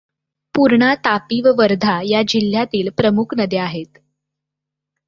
पूर्णा, तापी व वर्धा या जिल्ह्यातील प्रमुख नद्या आहेत.